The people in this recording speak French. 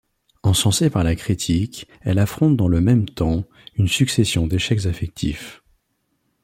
Encensée par la critique, elle affronte dans le même temps une succession d'échecs affectifs.